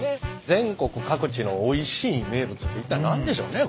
全国各地のおいしい名物って一体何でしょうね？